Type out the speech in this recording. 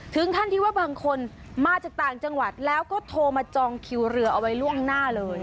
ถึงขั้นที่ว่าบางคนมาจากต่างจังหวัดแล้วก็โทรมาจองคิวเรือเอาไว้ล่วงหน้าเลย